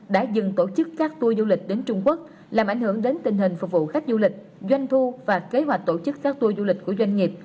đã dừng tổ chức các tour du lịch đến trung quốc làm ảnh hưởng đến tình hình phục vụ khách du lịch doanh thu và kế hoạch tổ chức các tour du lịch của doanh nghiệp